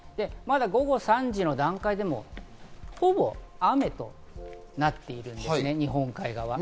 午後３時の段階でもほぼ雨となっているんですね、日本海側は。